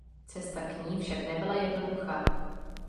Cesta k ní však nebyla jednoduchá.